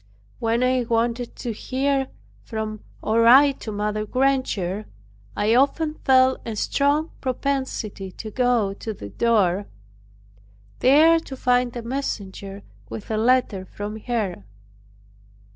When I wanted to hear from, or write to Mother Granger, I often felt a strong propensity to go to the door. There to find a messenger with a letter from her.